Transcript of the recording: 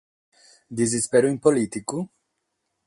Disisperu impolìticu?